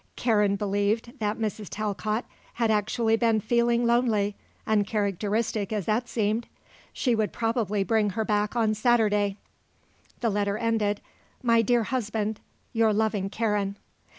Karen believed that Mrs. Talcott had actually been feeling lonely, uncharacteristic as that seemed. She would probably bring her back on Saturday. The letter ended: "My dear husband, your loving Karen."